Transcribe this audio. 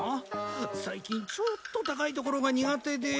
最近ちょっと高い所が苦手で。